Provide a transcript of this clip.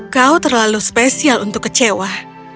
kau terlalu spesial untuk kecewa